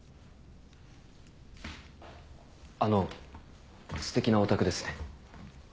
あのすてきなお宅ですね。